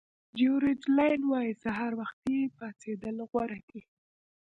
جیورج الین وایي سهار وختي پاڅېدل غوره دي.